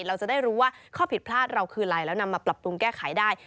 เราจะได้รู้ว่าข้อผิดพลาดเราคืออะไรแล้วนำมาปรับปรุงแก้ไขได้